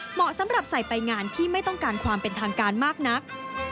เหมาะสำหรับใส่ไปงานที่ไม่ต้องการความเป็นทางการมากนัก